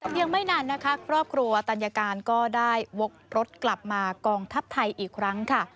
ยังไม่นานนะคะครอบครัวตัญการก็ได้วกรถกลับมากองทัพไทยอีกครั้งค่ะ